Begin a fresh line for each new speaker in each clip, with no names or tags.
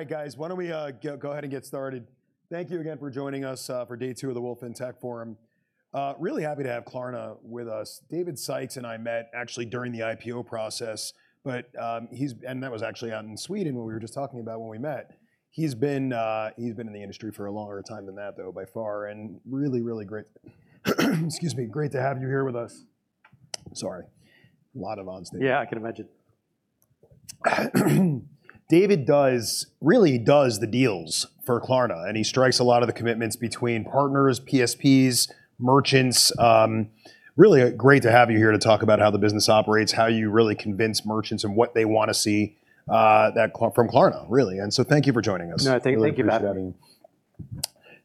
All right, guys, why don't we go ahead and get started. Thank you again for joining us for day two of the Wolfe FinTech Forum. Really happy to have Klarna with us. David Sykes and I met actually during the IPO process, but that was actually out in Sweden when we were just talking about when we met. He's been in the industry for a longer time than that, though, by far, and really great to have you here with us. Sorry. A lot going on stage.
Yeah, I can imagine.
David really does the deals for Klarna, and he strikes a lot of the commitments between partners, PSPs, merchants. Really great to have you here to talk about how the business operates, how you really convince merchants on what they wanna see from Klarna, really. Thank you for joining us.
No, thank you for having me.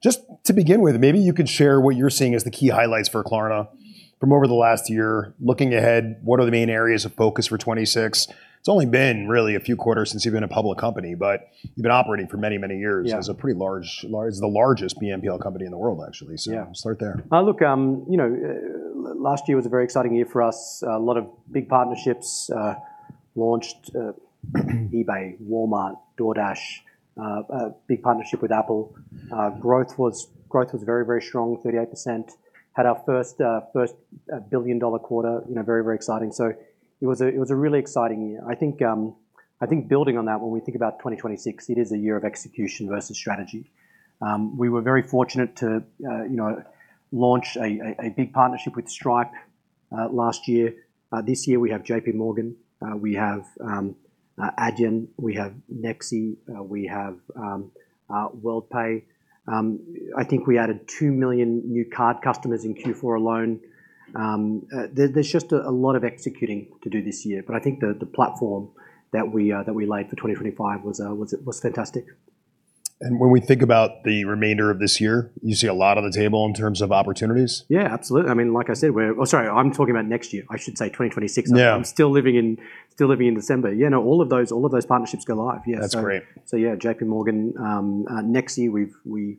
Just to begin with, maybe you could share what you're seeing as the key highlights for Klarna from over the last year. Looking ahead, what are the main areas of focus for 2026? It's only been really a few quarters since you've been a public company, but you've been operating for many, many years.
Yeah.
The largest BNPL company in the world, actually.
Yeah.
Start there.
Look, you know, last year was a very exciting year for us. A lot of big partnerships launched, eBay, Walmart, DoorDash, a big partnership with Apple. Growth was very strong, 38%. Had our first billion-dollar quarter, you know, very exciting. It was a really exciting year. I think building on that, when we think about 2026, it is a year of execution versus strategy. We were very fortunate to, you know, launch a big partnership with Stripe last year. This year we have JPMorgan, we have Adyen, we have Nexi, we have Worldpay. I think we added 2 million new card customers in Q4 alone. There's just a lot of executing to do this year, but I think the platform that we laid for 2025 was fantastic.
When we think about the remainder of this year, you see a lot on the table in terms of opportunities?
Yeah, absolutely. I mean, like I said. Oh, sorry, I'm talking about next year. I should say 2026.
Yeah.
I'm still living in December. Yeah, no, all of those partnerships go live. Yeah.
That's great.
Yeah, JPMorgan, Nexi. We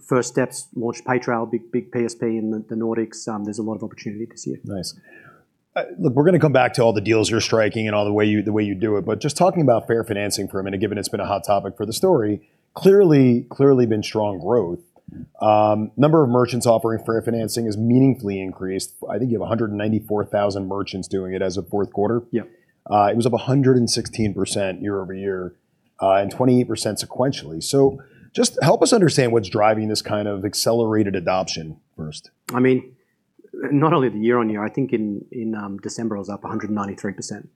first steps launched Paytrail, big PSP in the Nordics. There's a lot of opportunity this year.
Nice. Look, we're gonna come back to all the deals you're striking and the way you do it. Just talking about Klarna Financing for a minute, given it's been a hot topic for the story, clearly been strong growth. Number of merchants offering Klarna Financing has meaningfully increased. I think you have 194,000 merchants doing it as of fourth quarter.
Yeah.
It was up 116% year-over-year, and 28% sequentially. Just help us understand what's driving this kind of accelerated adoption first.
I mean, not only the year-on-year, I think in December it was up 193%.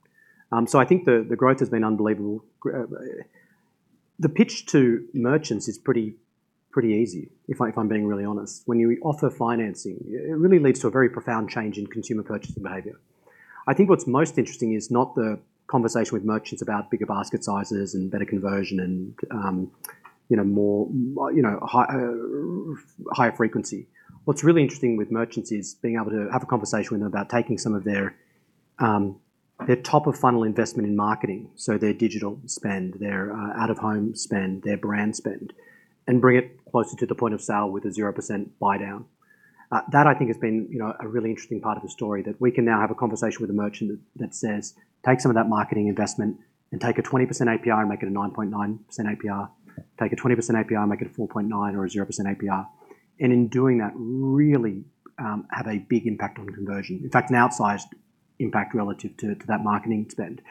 So I think the growth has been unbelievable. The pitch to merchants is pretty easy, if I'm being really honest. When you offer financing, it really leads to a very profound change in consumer purchasing behavior. I think what's most interesting is not the conversation with merchants about bigger basket sizes and better conversion and, you know, more, you know, higher frequency. What's really interesting with merchants is being able to have a conversation with them about taking some of their top-of-funnel investment in marketing, so their digital spend, their out-of-home spend, their brand spend, and bring it closer to the point of sale with a zero percent buydown. That I think has been, you know, a really interesting part of the story, that we can now have a conversation with a merchant that says, "Take some of that marketing investment and take a 20% APR and make it a 9.9% APR. Take a 20% APR and make it a 4.9% or a 0% APR" and in doing that, really, have a big impact on conversion. In fact, an outsized impact relative to that marketing spend.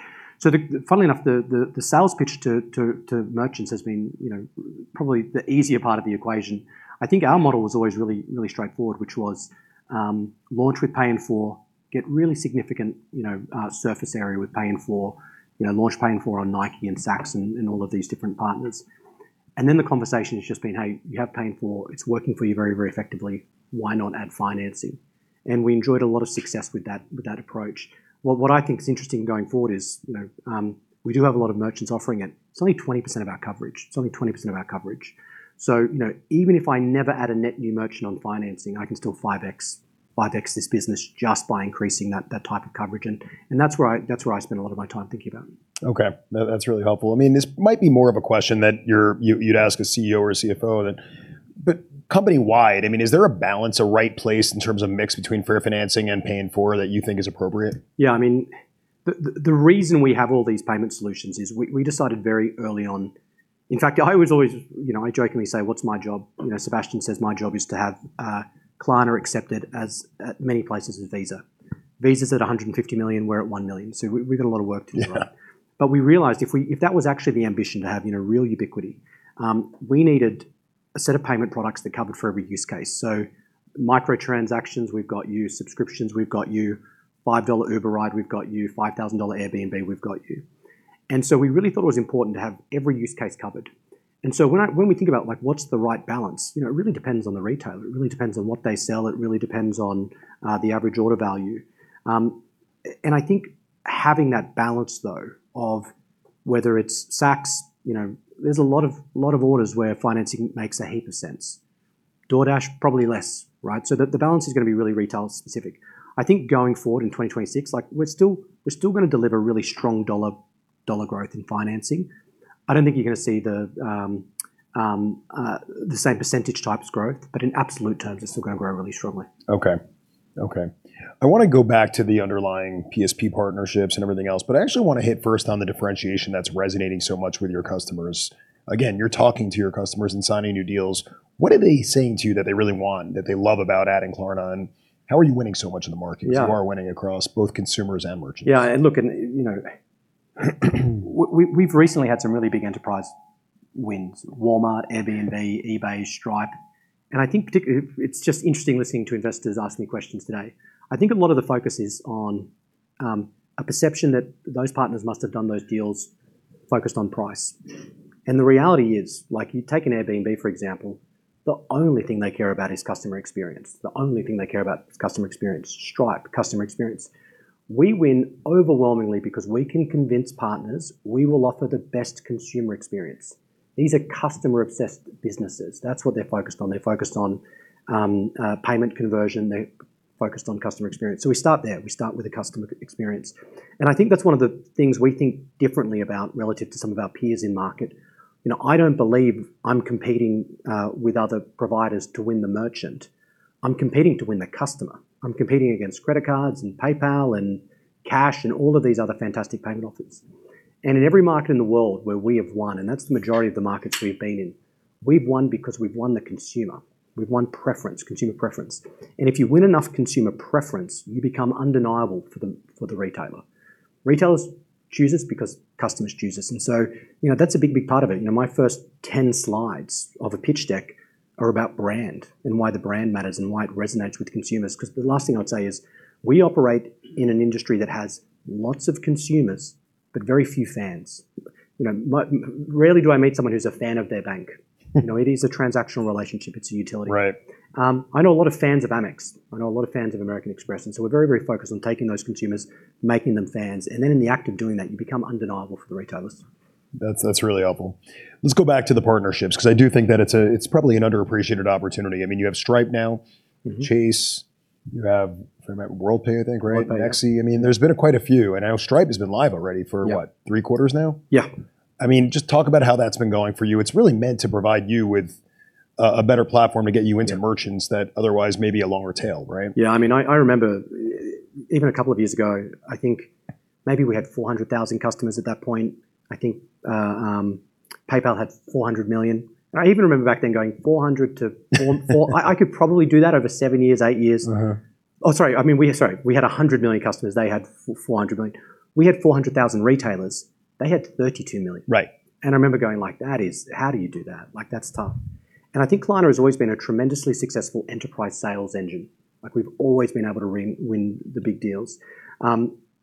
Funnily enough, the sales pitch to merchants has been, you know, probably the easier part of the equation. I think our model was always really, really straightforward, which was, launch with Pay in 4, get really significant, you know, surface area with Pay in 4. You know, launch Pay in 4 on Nike and Saks and all of these different partners. Then the conversation has just been, "Hey, you have Pay in 4. It's working for you very, very effectively. Why not add financing?" We enjoyed a lot of success with that approach. What I think is interesting going forward is, you know, we do have a lot of merchants offering it. It's only 20% of our coverage. So, you know, even if I never add a net new merchant on financing, I can still 5x this business just by increasing that type of coverage and that's where I spend a lot of my time thinking about.
Okay. That's really helpful. I mean, this might be more of a question that you'd ask a CEO or a CFO. Company-wide, I mean, is there a balance, a right place in terms of mix between Klarna Financing and Pay in 4 that you think is appropriate?
Yeah, I mean, the reason we have all these payment solutions is we decided very early on. In fact, I always you know, I jokingly say, "What's my job?" You know, Sebastian says my job is to have Klarna accepted as many places as Visa. Visa's at 150 million, we're at 1 million. We've got a lot of work to do on that.
Yeah.
We realized if that was actually the ambition to have, you know, real ubiquity, we needed a set of payment products that covered for every use case. Micro-transactions, we've got you. Subscriptions, we've got you. $5 Uber ride, we've got you. $5,000 Airbnb, we've got you. We really thought it was important to have every use case covered. When we think about, like, what's the right balance, you know, it really depends on the retailer. It really depends on what they sell. It really depends on the average order value. I think having that balance, though, of whether it's Saks, you know, there's a lot of orders where financing makes a heap of sense. DoorDash, probably less, right? The balance is gonna be really retail specific. I think going forward in 2026, like we're still gonna deliver really strong dollar growth in financing. I don't think you're gonna see the same percentage-type growth, but in absolute terms, it's still gonna grow really strongly.
Okay. I wanna go back to the underlying PSP partnerships and everything else, but I actually wanna hit first on the differentiation that's resonating so much with your customers. Again, you're talking to your customers and signing new deals. What are they saying to you that they really want, that they love about adding Klarna, and how are you winning so much in the market?
Yeah.
'Cause you are winning across both consumers and merchants.
Look, you know, we've recently had some really big enterprise wins: Walmart, Airbnb, eBay, Stripe. I think particularly it's just interesting listening to investors ask me questions today. I think a lot of the focus is on a perception that those partners must have done those deals focused on price. The reality is, like you take an Airbnb, for example, the only thing they care about is customer experience. The only thing they care about is customer experience. Stripe, customer experience. We win overwhelmingly because we can convince partners we will offer the best consumer experience. These are customer-obsessed businesses. That's what they're focused on. They're focused on payment conversion. They're focused on customer experience. We start there. We start with the customer experience. I think that's one of the things we think differently about relative to some of our peers in market. You know, I don't believe I'm competing with other providers to win the merchant. I'm competing to win the customer. I'm competing against credit cards and PayPal and cash, and all of these other fantastic payment options. In every market in the world where we have won, and that's the majority of the markets we've been in, we've won because we've won the consumer. We've won preference, consumer preference. If you win enough consumer preference, you become undeniable for the retailer. Retailers choose us because customers choose us, and so, you know, that's a big, big part of it. You know, my first 10 slides of a pitch deck are about brand and why the brand matters and why it resonates with consumers. Cause the last thing I'd say is, we operate in an industry that has lots of consumers, but very few fans. You know, rarely do I meet someone who's a fan of their bank. You know, it is a transactional relationship, it's a utility.
Right.
I know a lot of fans of Amex. I know a lot of fans of American Express, and so we're very, very focused on taking those consumers, making them fans. In the act of doing that, you become undeniable for the retailers.
That's really helpful. Let's go back to the partnerships, 'cause I do think that it's probably an underappreciated opportunity. I mean, you have Stripe now. Chase. You have, if I remember, Worldpay, I think, right?
Worldpay, yeah.
Nexi. I mean, there's been quite a few. Now Stripe has been live already for what?
Yeah.
Thee quarters now?
Yeah.
I mean, just talk about how that's been going for you. It's really meant to provide you with a better platform to get you into-
Yeah
Merchants that otherwise may be a longer tail, right?
Yeah. I mean, I remember even a couple of years ago, I think maybe we had 400,000 customers at that point. I think PayPal had 400 million. I even remember back then going, "400 to 400?" I could probably do that over 7 years, 8 years. Sorry. I mean, we had 100 million customers. They had 400 million. We had 400,000 retailers. They had 32 million.
Right.
I remember going like, "That is. How do you do that?" Like, that's tough. I think Klarna has always been a tremendously successful enterprise sales engine. Like, we've always been able to win the big deals.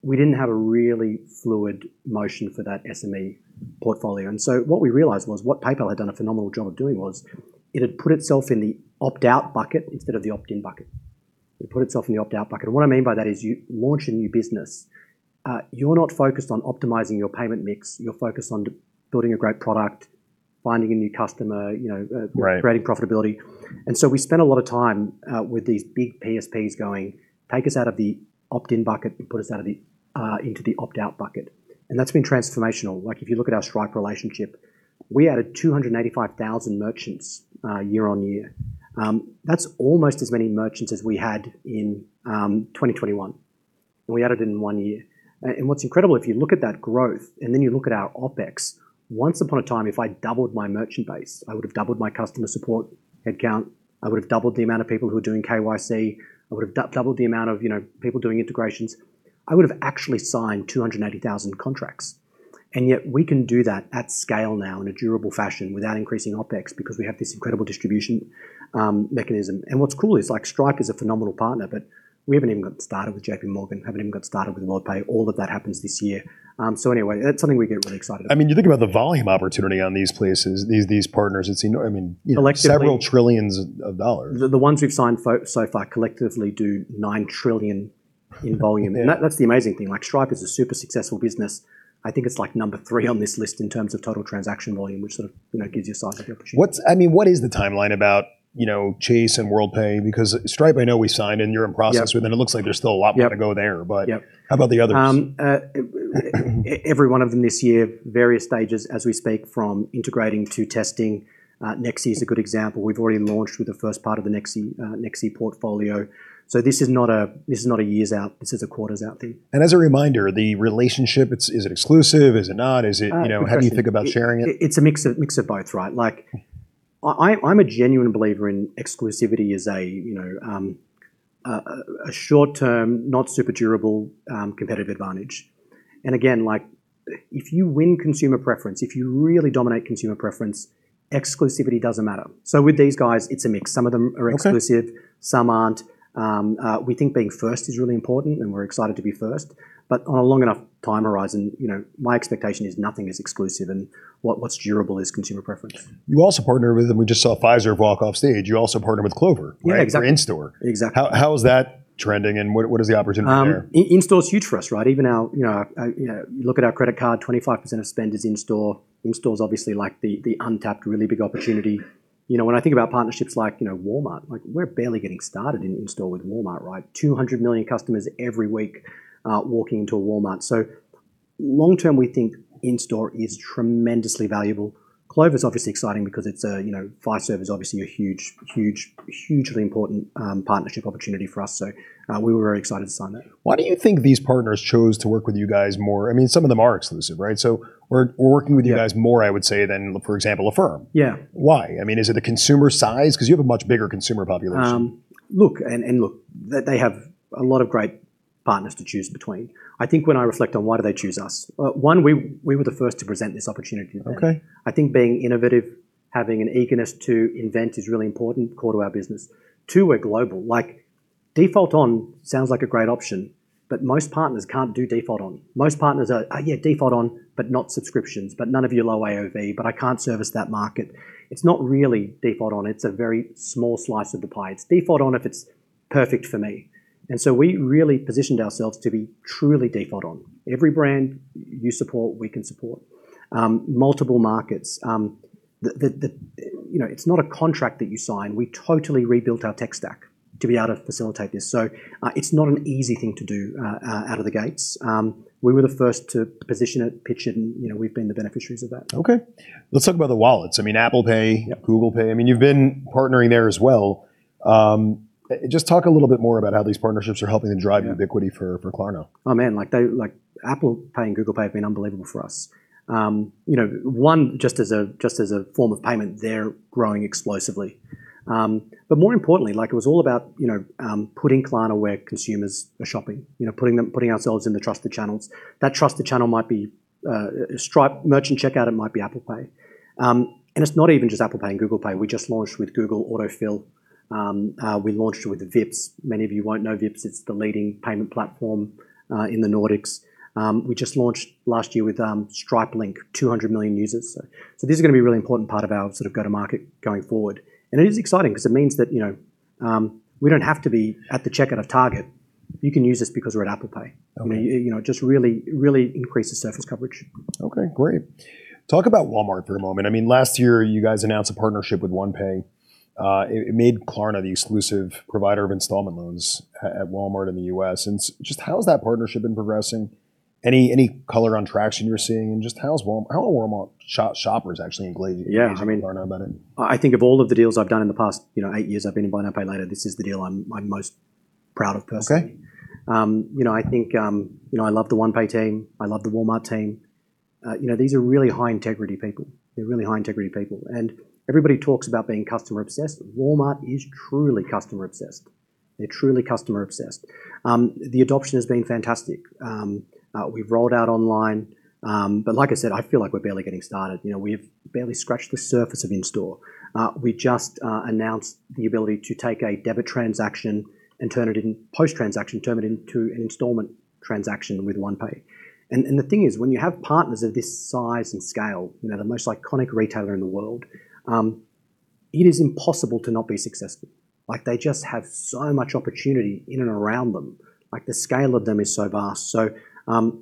We didn't have a really fluid motion for that SME portfolio, and so what we realized was what PayPal had done a phenomenal job of doing was it had put itself in the opt-out bucket instead of the opt-in bucket. It put itself in the opt-out bucket. What I mean by that is you launch a new business, you're not focused on optimizing your payment mix. You're focused on building a great product, finding a new customer, you know.
Right
Creating profitability. We spent a lot of time with these big PSPs going, "Take us out of the opt-in bucket and put us into the opt-out bucket." That's been transformational. Like, if you look at our Stripe relationship, we added 285,000 merchants year-on-year. That's almost as many merchants as we had in 2021. We added it in one year. What's incredible, if you look at that growth and then you look at our OpEx, once upon a time, if I doubled my merchant base, I would have doubled my customer support headcount, I would have doubled the amount of people who are doing KYC, I would have doubled the amount of, you know, people doing integrations. I would have actually signed 280,000 contracts. Yet we can do that at scale now in a durable fashion without increasing OpEx because we have this incredible distribution mechanism. What's cool is, like, Stripe is a phenomenal partner, but we haven't even got started with JPMorgan, haven't even got started with Worldpay. All of that happens this year. Anyway, that's something we get really excited about.
I mean, you think about the volume opportunity on these places, these partners.
Collectively-
Several trillions of dollars.
The ones we've signed so far collectively do $9 trillion in volume.
Yeah.
That's the amazing thing. Like, Stripe is a super successful business. I think it's, like, number three on this list in terms of total transaction volume, which sort of, you know, gives you a size of the opportunity.
I mean, what is the timeline about, you know, Chase and Worldpay? Because Stripe I know we signed, and you're in process-
Yep
With them. It looks like there's still a lot more.
Yep
to go there.
Yep.
How about the others?
Every one of them this year, various stages as we speak, from integrating to testing. Nexi is a good example. We've already launched with the first part of the Nexi portfolio. So this is not a years out, this is a quarters out thing.
As a reminder, the relationship, is it exclusive? Is it not?
Interesting.
You know, how do you think about sharing it?
It's a mix of both, right? Like, I'm a genuine believer in exclusivity as a, you know, a short term, not super durable competitive advantage. Again, like, if you win consumer preference, if you really dominate consumer preference, exclusivity doesn't matter. With these guys, it's a mix. Some of them are exclusive-
Okay.
Some aren't. We think being first is really important, and we're excited to be first. On a long enough time horizon, you know, my expectation is nothing is exclusive, and what's durable is consumer preference.
You also partner with, and we just saw Fiserv walk offstage. You also partner with Clover, right?
Yeah, exactly.
For in-store.
Exactly.
How is that trending, and what is the opportunity there?
In-store is huge for us, right? Even our, you know, you know, you look at our credit card, 25% of spend is in store. In store's obviously, like, the untapped, really big opportunity. You know, when I think about partnerships like, you know, Walmart, like, we're barely getting started in-store with Walmart, right? 200 million customers every week, walking into a Walmart. Long-term, we think in-store is tremendously valuable. Clover is obviously exciting because it's, you know, Fiserv is obviously a hugely important partnership opportunity for us. We were very excited to sign that.
Why do you think these partners chose to work with you guys more? I mean, some of them are exclusive, right? We're working with you guys-
Yeah
More, I would say, than, for example, Affirm.
Yeah.
Why? I mean, is it the consumer size? 'Cause you have a much bigger consumer population.
Look and look, they have a lot of great partners to choose between. I think when I reflect on why do they choose us, one, we were the first to present this opportunity to them.
Okay.
I think being innovative, having an eagerness to invent is really important, core to our business. Two, we're global. Like, default option sounds like a great option, but most partners can't do default option. Most partners are default option, but not subscriptions, but none of your low AOV, but I can't service that market. It's not really default option. It's a very small slice of the pie. It's default option if it's perfect for me. We really positioned ourselves to be truly default option. Every brand you support, we can support. Multiple markets. You know, it's not a contract that you sign. We totally rebuilt our tech stack to be able to facilitate this. It's not an easy thing to do out of the gates. We were the first to position it, pitch it, and, you know, we've been the beneficiaries of that.
Okay. Let's talk about the wallets. I mean, Apple Pay.
Yep
Google Pay. I mean, you've been partnering there as well. Just talk a little bit more about how these partnerships are helping to drive-
Yeah
The equity for Klarna.
Oh, man. Like, they, Apple Pay and Google Pay have been unbelievable for us. You know, just as a form of payment, they're growing explosively. More importantly, like, it was all about, you know, putting Klarna where consumers are shopping. You know, putting ourselves in the trusted channels. That trusted channel might be Stripe Merchant Checkout, it might be Apple Pay. It's not even just Apple Pay and Google Pay. We just launched with Google Autofill. We launched with Vipps. Many of you won't know Vipps. It's the leading payment platform in the Nordics. We just launched last year with Stripe Link, 200 million users. This is gonna be a really important part of our sort of go-to-market going forward. It is exciting 'cause it means that, you know, we don't have to be at the checkout of Target. You can use this because we're at Apple Pay.
Okay.
You know, just really, really increases surface coverage.
Okay. Great. Talk about Walmart for a moment. I mean, last year you guys announced a partnership with OnePay. It made Klarna the exclusive provider of installment loans at Walmart in the U.S. How has that partnership been progressing? Any color on traction you're seeing? How are Walmart shoppers actually engaging-
Yeah, I mean.
With Klarna about it?
I think of all of the deals I've done in the past, you know, eight years I've been in buy now, pay later, this is the deal I'm most proud of personally.
Okay.
You know, I think, you know, I love the OnePay team. I love the Walmart team. You know, these are really high integrity people. Everybody talks about being customer obsessed. Walmart is truly customer obsessed. The adoption has been fantastic. We've rolled out online. But like I said, I feel like we're barely getting started. You know, we've barely scratched the surface of in-store. We just announced the ability to take a debit transaction and turn it into, post-transaction, an installment transaction with OnePay. The thing is, when you have partners of this size and scale, you know, the most iconic retailer in the world, it is impossible to not be successful. Like, they just have so much opportunity in and around them. Like, the scale of them is so vast.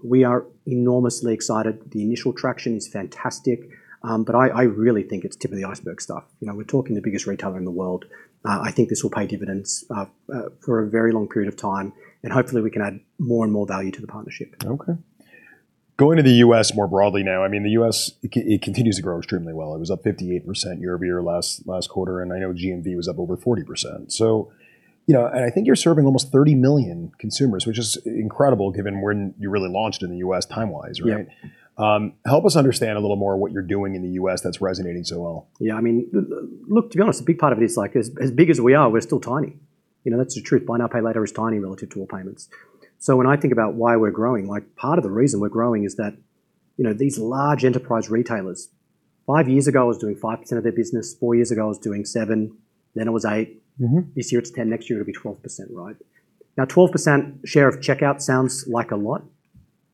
We are enormously excited. The initial traction is fantastic. But I really think it's tip of the iceberg stuff. You know, we're talking the biggest retailer in the world. I think this will pay dividends for a very long period of time, and hopefully, we can add more and more value to the partnership.
Okay. Going to the U.S. more broadly now, I mean, the U.S. it continues to grow extremely well. It was up 58% year-over-year last quarter, and I know GMV was up over 40%. You know, I think you're serving almost 30 million consumers, which is incredible given when you really launched in the U.S. time-wise, right?
Yeah.
Help us understand a little more what you're doing in the U.S. that's resonating so well.
Yeah, I mean, look, to be honest, a big part of it is, like, as big as we are, we're still tiny. You know, that's the truth. Buy now, pay later is tiny relative to all payments. When I think about why we're growing, like, part of the reason we're growing is that, you know, these large enterprise retailers, five years ago I was doing 5% of their business. Four years ago, I was doing 7%, then it was 8%. This year it's 10. Next year it'll be 12%, right? Now, 12% share of checkout sounds like a lot.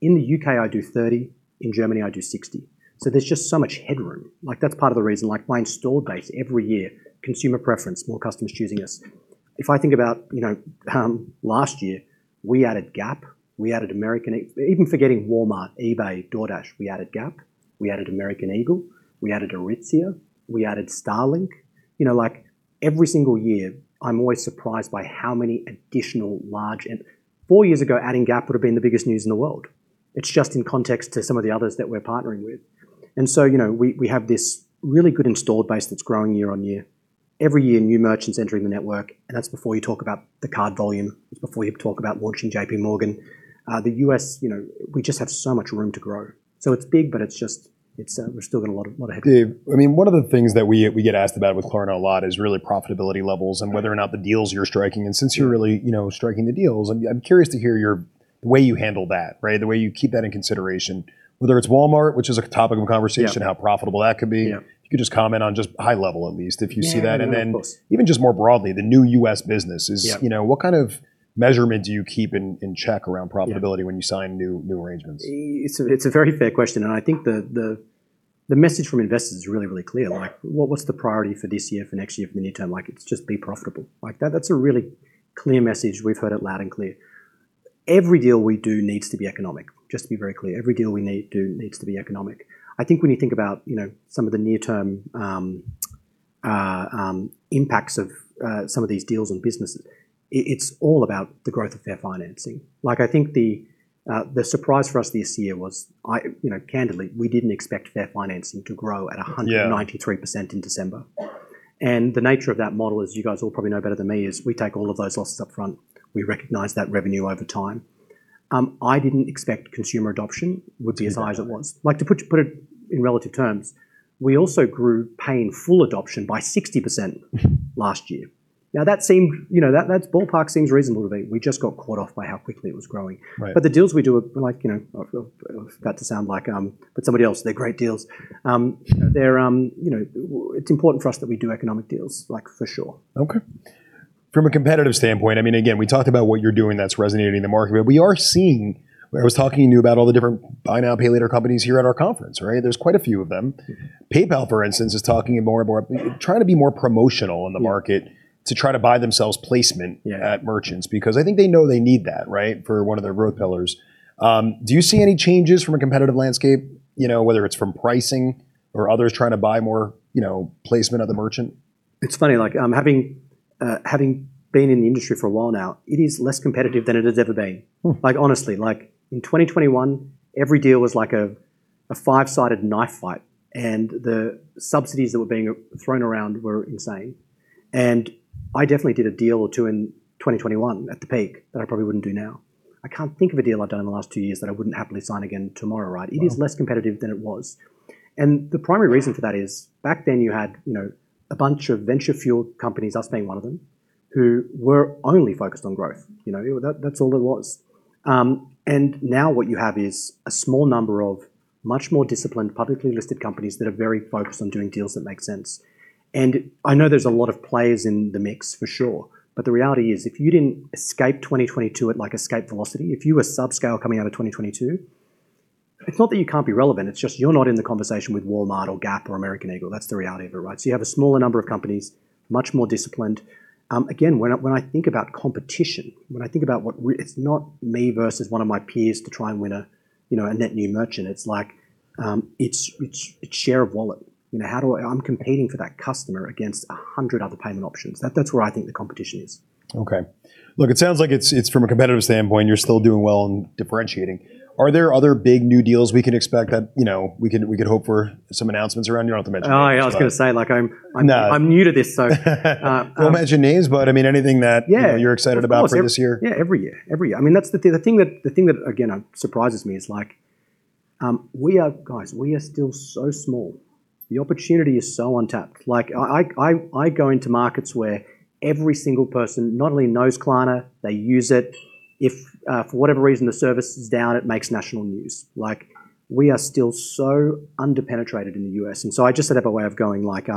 In the U.K., I do 30%. In Germany, I do 60%. There's just so much headroom. Like, that's part of the reason, like, my in-store base every year, consumer preference, more customers choosing us. If I think about, you know, last year, even forgetting Walmart, eBay, DoorDash, we added Gap, we added American Eagle, we added Aritzia, we added Starlink. You know, like, every single year, I'm always surprised by how many additional large. Four years ago, adding Gap would've been the biggest news in the world. It's just in context to some of the others that we're partnering with. We have this really good in-store base that's growing year-on-year. Every year, new merchants entering the network, and that's before you talk about the card volume. It's before you talk about launching JPMorgan. The U.S., you know, we just have so much room to grow. It's big, but it's just, we've still got a lot of headroom.
I mean, one of the things that we get asked about with Klarna a lot is really profitability levels.
Right
Whether or not the deals you're striking.
Yeah.
Since you're really, you know, striking the deals, I'm curious to hear your, the way you handle that, right? The way you keep that in consideration. Whether it's Walmart, which is a topic of conversation.
Yeah
How profitable that could be.
Yeah.
If you could just comment on just high level at least, if you see that?
Yeah. No, no, of course.
Even just more broadly, the new U.S. business is-
Yeah
You know, what kind of measurement do you keep in check around profitability?
Yeah
When you sign new arrangements?
It's a very fair question, and I think the message from investors is really clear.
Yeah.
Like, what's the priority for this year, for next year, for mid-term? Like, it's just be profitable. Like, that's a really clear message. We've heard it loud and clear. Every deal we do needs to be economic, just to be very clear. I think when you think about, you know, some of the near-term impacts of some of these deals on businesses. It's all about the growth of their financing. Like, I think the surprise for us this year was, you know, candidly, we didn't expect their financing to grow at 100-
Yeah
93% in December. The nature of that model, as you guys all probably know better than me, is we take all of those losses up front. We recognize that revenue over time. I didn't expect consumer adoption would be as high as it was. Like, to put it in relative terms, we also grew paying full adoption by 60% last year. Now, that seemed, that ballpark seems reasonable to me. We just got caught off guard by how quickly it was growing.
Right.
The deals we do are like, you know, about to sound like but somebody else, they're great deals. They're, you know, it's important for us that we do economic deals, like, for sure.
Okay. From a competitive standpoint, I mean, again, we talked about what you're doing that's resonating in the market, but we are seeing.
Right
I was talking to you about all the different buy now, pay later companies here at our conference, right? There's quite a few of them. PayPal, for instance, is talking more and more, trying to be more promotional in the market.
Yeah
to try to buy themselves placement
Yeah
At merchants, because I think they know they need that, right, for one of their growth pillars. Do you see any changes from a competitive landscape, you know, whether it's from pricing or others trying to buy more, you know, placement of the merchant?
It's funny, like, having been in the industry for a while now, it is less competitive than it has ever been. Like, honestly, like, in 2021, every deal was like a five-sided knife fight, and the subsidies that were being thrown around were insane. I definitely did a deal or two in 2021 at the peak that I probably wouldn't do now. I can't think of a deal I've done in the last two years that I wouldn't happily sign again tomorrow, right?
Wow.
It is less competitive than it was. The primary reason for that is back then you had, you know, a bunch of venture-fueled companies, us being one of them, who were only focused on growth. You know, that's all it was. Now what you have is a small number of much more disciplined, publicly listed companies that are very focused on doing deals that make sense. I know there's a lot of players in the mix for sure, but the reality is, if you didn't escape 2022 at, like, escape velocity, if you were subscale coming out of 2022, it's not that you can't be relevant, it's just you're not in the conversation with Walmart or Gap or American Eagle that's the reality of it, right? You have a smaller number of companies, much more disciplined. Again, when I think about competition, it's not me versus one of my peers to try and win a net new merchant, you know. It's like it's share of wallet. You know, I'm competing for that customer against 100 other payment options. That's where I think the competition is.
Okay. Look, it sounds like it's from a competitive standpoint, you're still doing well in differentiating. Are there other big new deals we can expect that, you know, we could hope for some announcements around? You don't have to mention names.
Oh, yeah, I was gonna say, like, I'm
No
I'm new to this.
We'll mention names, but, I mean, anything that
Yeah
You know, you're excited about for this year.
Yeah, every year. I mean, that's the thing that again surprises me is like, we are guys, we are still so small. The opportunity is so untapped. Like, I go into markets where every single person not only knows Klarna, they use it. If for whatever reason the service is down, it makes national news. Like, we are still so under-penetrated in the U.S., and so I just set up a way of going like,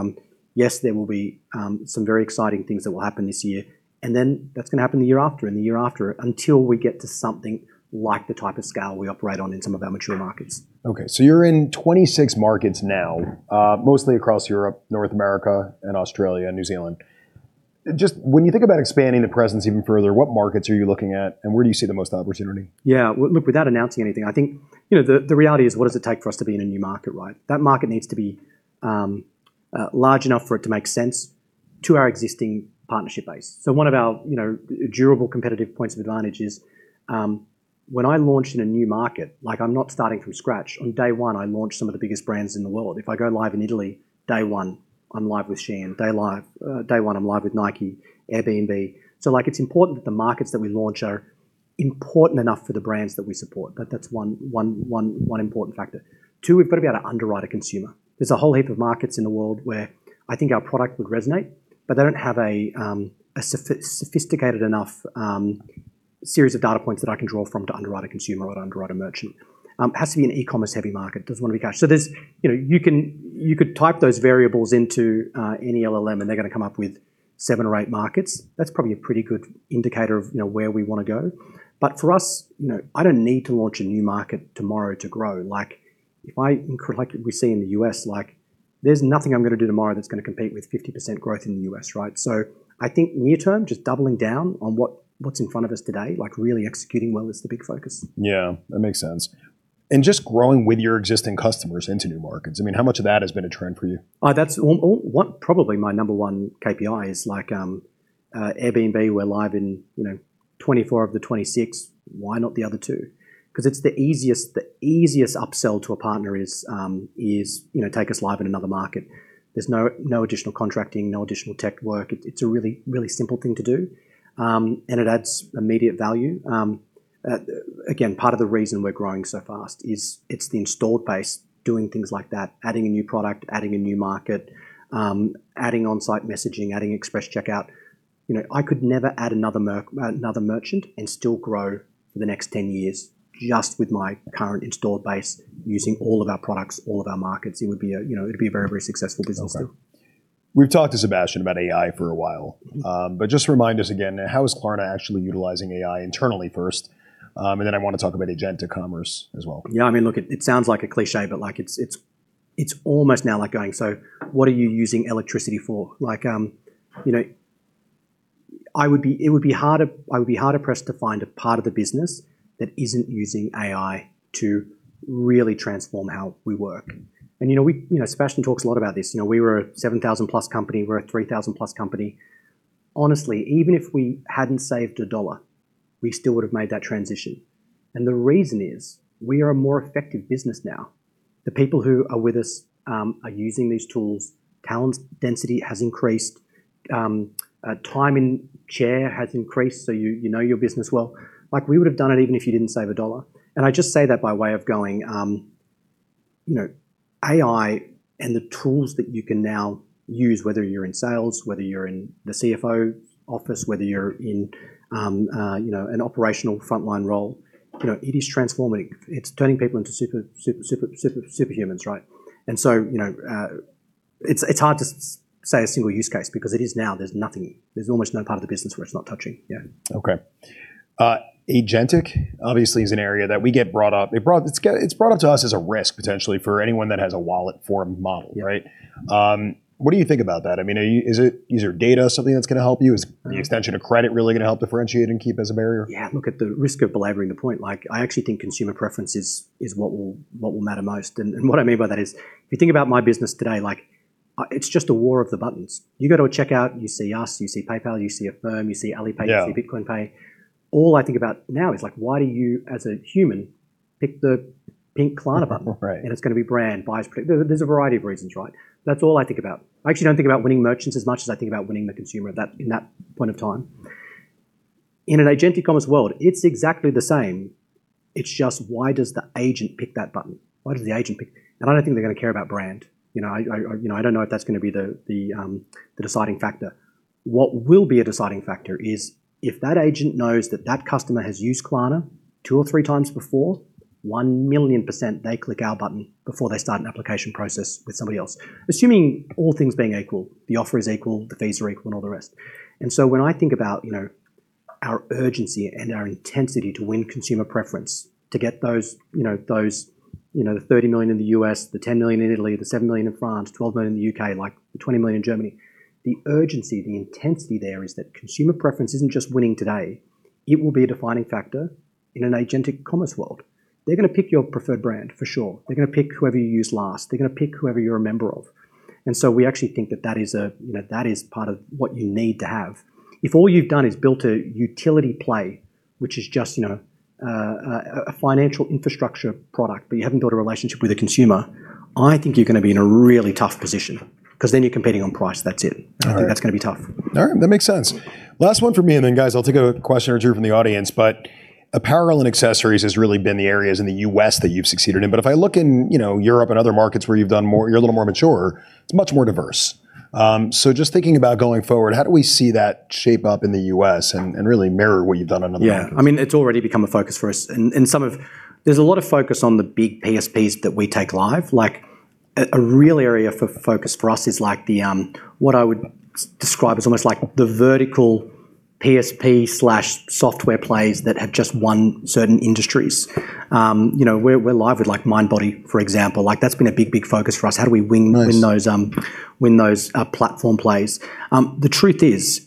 "Yes, there will be some very exciting things that will happen this year," and then that's gonna happen the year after and the year after until we get to something like the type of scale we operate on in some of our mature markets.
Okay. You're in 26 markets now, mostly across Europe, North America, and Australia, and New Zealand. Just when you think about expanding the presence even further, what markets are you looking at, and where do you see the most opportunity?
Yeah. Well, look, without announcing anything, I think, you know, the reality is what does it take for us to be in a new market, right? That market needs to be large enough for it to make sense to our existing partnership base. So one of our, you know, durable competitive points of advantage is when I launch in a new market, like, I'm not starting from scratch. On day one, I launch some of the biggest brands in the world. If I go live in Italy, day one, I'm live with Shein. Day one, I'm live with Nike, Airbnb. So, like, it's important that the markets that we launch are important enough for the brands that we support. That's one important factor. Two, we've got to be able to underwrite a consumer. There's a whole heap of markets in the world where I think our product would resonate, but they don't have a sophisticated enough series of data points that I can draw from to underwrite a consumer or to underwrite a merchant. It has to be an e-commerce-heavy market. It doesn't want to be cash. So there's, you know, you could type those variables into any LLM, and they're gonna come up with seven or eight markets. That's probably a pretty good indicator of, you know, where we wanna go. But for us, you know, I don't need to launch a new market tomorrow to grow. Like, we see in the U.S., like, there's nothing I'm gonna do tomorrow that's gonna compete with 50% growth in the U.S., right? I think near term, just doubling down on what's in front of us today, like really executing well is the big focus.
Yeah, that makes sense. Just growing with your existing customers into new markets, I mean, how much of that has been a trend for you?
That's all one, probably my number one KPIs like, Airbnb, we're live in, you know, 24 of the 26. Why not the other two? 'Cause it's the easiest upsell to a partner is, you know, take us live in another market. There's no additional contracting, no additional tech work. It's a really simple thing to do, and it adds immediate value. Again, part of the reason we're growing so fast is it's the installed base doing things like that, adding a new product, adding a new market, adding on-site messaging, adding express checkout. You know, I could never add another merchant and still grow for the next 10 years just with my current installed base using all of our products, all of our markets. It would be a, you know, it'd be a very, very successful business still.
Okay. We've talked to Sebastian about AI for a while. Just remind us again, how is Klarna actually utilizing AI internally first? Then I wanna talk about agentic commerce as well.
Yeah, I mean, look, it sounds like a cliché, but like, it's almost now like going, "So what are you using electricity for?" Like, you know, I would be harder pressed to find a part of the business that isn't using AI to really transform how we work. You know, we, you know, Sebastian talks a lot about this. You know, we were a 7,000+ company, we're a 3,000+ company. Honestly, even if we hadn't saved a dollar, we still would have made that transition. The reason is, we are a more effective business now. The people who are with us are using these tools. Talent density has increased. Time in chair has increased, so you know your business well. Like, we would have done it even if you didn't save a dollar. I just say that by way of going, you know, AI and the tools that you can now use, whether you're in sales, whether you're in the CFO office, whether you're in, you know, an operational frontline role, you know, it is transforming. It's turning people into superhumans, right? You know, it's hard to say a single use case because it is now there's nothing. There's almost no part of the business where it's not touching. Yeah.
Okay. Agentic obviously is an area that we get brought up. It's brought up to us as a risk, potentially, for anyone that has a wallet form model, right?
Yeah.
What do you think about that? I mean, is it, is your data something that's gonna help you? Is the extension of credit really gonna help differentiate and keep as a barrier?
Yeah. Look, at the risk of belaboring the point, like, I actually think consumer preference is what will matter most. What I mean by that is, if you think about my business today, like, it's just a war of the buttons. You go to a checkout, you see us, you see PayPal, you see Affirm, you see Alipay.
Yeah
You see Bitcoin Pay. All I think about now is like, why do you, as a human, pick the Pink Klarna button?
Right.
It's gonna be brand. There's a variety of reasons, right? That's all I think about. I actually don't think about winning merchants as much as I think about winning the consumer at that, in that point of time. In an agentic commerce world, it's exactly the same. It's just, why does the agent pick that button? Why does the agent pick. I don't think they're gonna care about brand. You know, you know, I don't know if that's gonna be the deciding factor. What will be a deciding factor is if that agent knows that that customer has used Klarna two or three times before, one million percent they click our button before they start an application process with somebody else. Assuming all things being equal, the offer is equal, the fees are equal, and all the rest. When I think about, you know, our urgency and our intensity to win consumer preference, to get those, you know, the 30 million in the U.S., the 10 million in Italy, the 7 million in France, 12 million in the U.K., like the 20 million in Germany, the urgency, the intensity there is that consumer preference isn't just winning today. It will be a defining factor in an agentic commerce world. They're gonna pick your preferred brand, for sure. They're gonna pick whoever you used last. They're gonna pick whoever you're a member of. We actually think that that is a, you know, that is part of what you need to have. If all you've done is built a utility play, which is just, you know, a financial infrastructure product, but you haven't built a relationship with the consumer, I think you're gonna be in a really tough position, 'cause then you're competing on price. That's it.
All right.
I think that's gonna be tough.
All right. That makes sense. Last one from me and then, guys, I'll take a question or two from the audience. Apparel and accessories has really been the areas in the U.S. that you've succeeded in. If I look in, you know, Europe and other markets where you've done more, you're a little more mature, it's much more diverse. Just thinking about going forward, how do we see that shape up in the U.S. and really mirror what you've done in other markets?
Yeah. I mean, it's already become a focus for us. There's a lot of focus on the big PSPs that we take live. Like, a real area for focus for us is, like, the what I would describe as almost, like, the vertical PSP/software plays that have just won certain industries. You know, we're live with, like, Mindbody, for example. Like, that's been a big focus for us. How do we win- Win those platform plays? The truth is,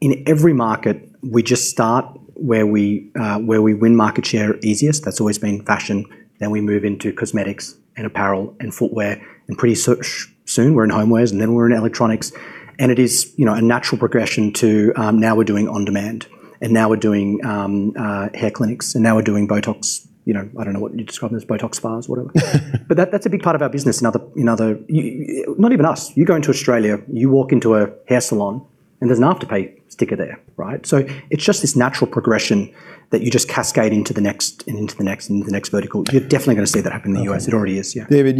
in every market, we just start where we win market share easiest. That's always been fashion. Then we move into cosmetics and apparel and footwear, and pretty soon we're in homewares, and then we're in electronics. It is, you know, a natural progression to now we're doing on-demand, and now we're doing hair clinics, and now we're doing Botox, you know, I don't know what you'd describe them as, Botox bars, whatever. But that's a big part of our business in other, in other. Why not even us. You go into Australia, you walk into a hair salon, and there's an Afterpay sticker there, right? It's just this natural progression that you just cascade into the next, and into the next, and into the next vertical. You're definitely gonna see that happen in the U.S.
Okay.
It already is. Yeah.
David,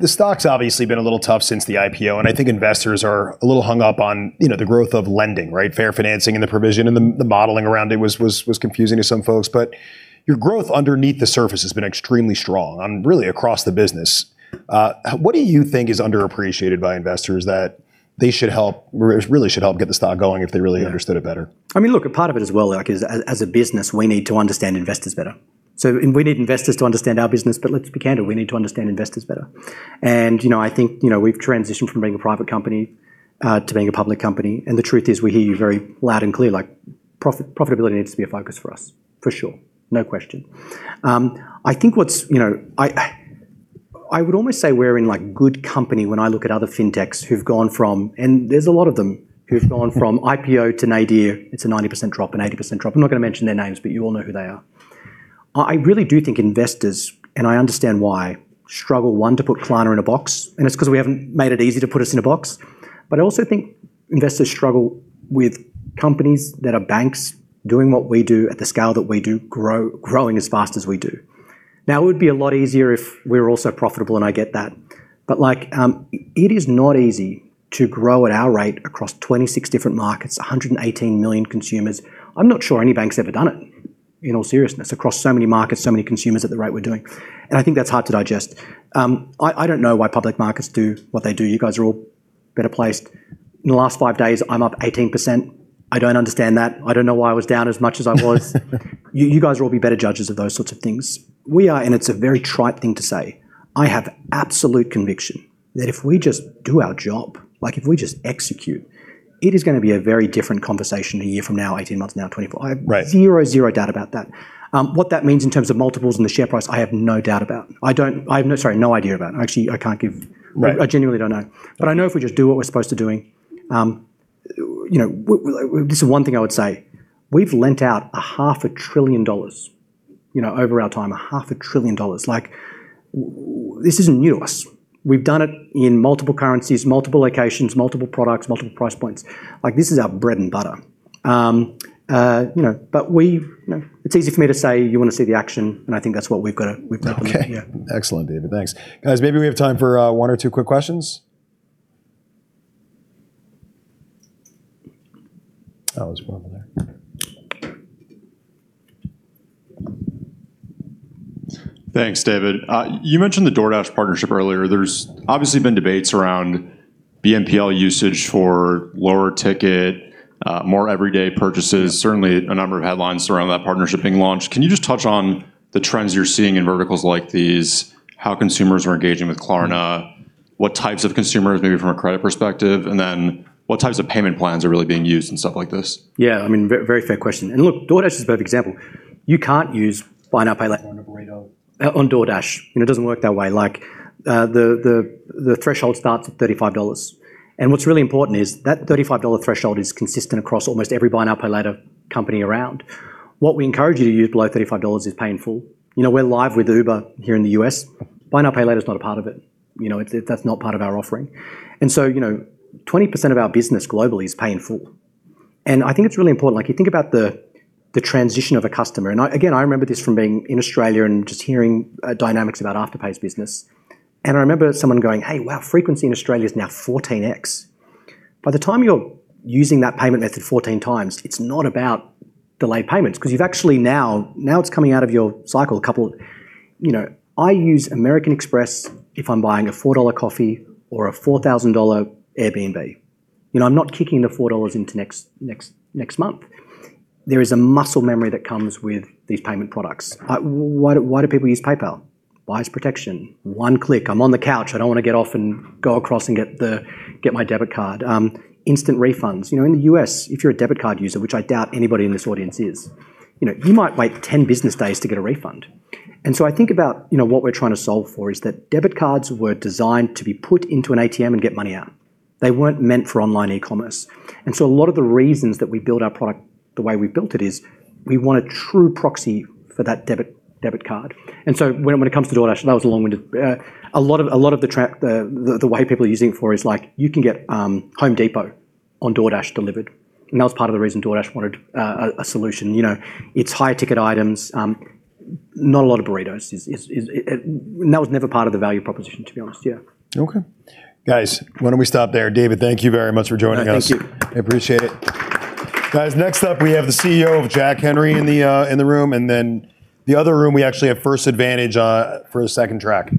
the stock's obviously been a little tough since the IPO, and I think investors are a little hung up on, you know, the growth of lending, right? Fair financing and the provision and the modeling around it was confusing to some folks. But your growth underneath the surface has been extremely strong, really across the business. What do you think is underappreciated by investors that they should really help get the stock going if they really understood it better?
Yeah. I mean, look, a part of it as well, like, as a business, we need to understand investors better. We need investors to understand our business, but let's be candid, we need to understand investors better. You know, I think, you know, we've transitioned from being a private company to being a public company, and the truth is we hear you very loud and clear. Like, profitability needs to be a focus for us, for sure. No question. I think what's, you know, I would almost say we're in, like, good company when I look at other fintechs who've gone from IPO to nadir. There's a lot of them. It's a 90% drop, an 80% drop. I'm not gonna mention their names, but you all know who they are. I really do think investors, and I understand why, struggle, one, to put Klarna in a box, and it's 'cause we haven't made it easy to put us in a box. I also think investors struggle with companies that are banks doing what we do at the scale that we do, growing as fast as we do. Now, it would be a lot easier if we were also profitable, and I get that. Like, it is not easy to grow at our rate across 26 different markets, 118 million consumers. I'm not sure any bank's ever done it, in all seriousness, across so many markets, so many consumers at the rate we're doing. I think that's hard to digest. I don't know why public markets do what they do. You guys are all better placed. In the last five days, I'm up 18%. I don't understand that. I don't know why I was down as much as I was. You guys will all be better judges of those sorts of things. We are, and it's a very trite thing to say, I have absolute conviction that if we just do our job, like, if we just execute it is gonna be a very different conversation a year from now, 18 months from now, 24.
Right.
I have zero doubt about that. What that means in terms of multiples and the share price, I have no doubt about. I have no idea about it. Actually, I can't give.
Right.
I genuinely don't know. I know if we just do what we're supposed to doing, this is one thing I would say, we've lent out a half a trillion dollars over our time. A half a trillion dollars. Like, this isn't new to us. We've done it in multiple currencies, multiple locations, multiple products, multiple price points. Like, this is our bread and butter. You know, it's easy for me to say you wanna see the action, and I think that's what we've gotta.
Okay.
Yeah.
Excellent, David. Thanks. Guys, maybe we have time for one or two quick questions. Oh, there's one over there.
Thanks, David. You mentioned the DoorDash partnership earlier. There's obviously been debates around BNPL usage for lower ticket, more everyday purchases.
Yeah.
Certainly a number of headlines around that partnership being launched. Can you just touch on the trends you're seeing in verticals like these, how consumers are engaging with Klarna, what types of consumers maybe from a credit perspective, and then what types of payment plans are really being used and stuff like this?
Yeah. I mean, very fair question. Look, DoorDash is a perfect example. You can't use buy now, pay later on a burrito on DoorDash, you know, it doesn't work that way. Like, the threshold starts at $35, and what's really important is that $35 threshold is consistent across almost every buy now, pay later company around. What we encourage you to use below $35 is Pay in Full. You know, we're live with Uber here in the U.S. Buy now, pay later is not a part of it, you know. That's not part of our offering. You know, 20% of our business globally is Pay in Full, and I think it's really important. Like, you think about the transition of a customer and again, I remember this from being in Australia and just hearing dynamics about Afterpay's business, and I remember someone going, "Hey, wow, frequency in Australia is now 14x." By the time you're using that payment method 14 times, it's not about delayed payments 'cause you've actually now it's coming out of your cycle, a couple you know, I use American Express if I'm buying a $4 coffee or a $4,000 Airbnb. You know, I'm not kicking the $4 into next month. There is a muscle memory that comes with these payment products. Why do people use PayPal? Buyer's protection. One click. I'm on the couch, I don't wanna get off and go across and get my debit card. Instant refunds. You know, in the U.S. if you're a debit card user, which I doubt anybody in this audience is, you know, you might wait 10 business days to get a refund. I think about, you know, what we're trying to solve for is that debit cards were designed to be put into an ATM and get money out. They weren't meant for online e-commerce. A lot of the reasons that we built our product the way we built it is we want a true proxy for that debit card. When it comes to DoorDash, a lot of the way people are using it for is, like, you can get Home Depot on DoorDash delivered, and that was part of the reason DoorDash wanted a solution. You know, it's higher ticket items. Not a lot of burritos is. That was never part of the value proposition, to be honest. Yeah.
Okay. Guys, why don't we stop there? David, thank you very much for joining us.
No, thank you.
I appreciate it. Guys, next up we have the CEO of Jack Henry in the, in the room, and then the other room we actually have First Advantage, for the second track.